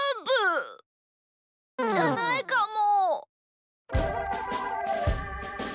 じゃないかも。